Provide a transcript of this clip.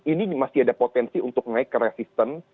ini masih ada potensi untuk naik ke resisten